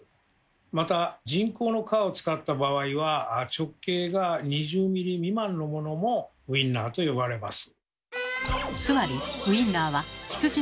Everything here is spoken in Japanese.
また人工の皮を使った場合は直径が２０ｍｍ未満のものもウインナーと呼ばれます。